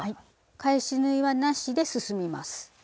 返し縫いはなしで進みます。